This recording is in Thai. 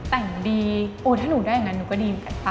แต่งดีโอ้ถ้าหนูได้อย่างนั้นหนูก็ดีเหมือนกันค่ะ